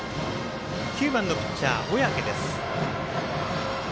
９番ピッチャー小宅です。